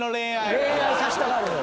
恋愛させたがるのよ。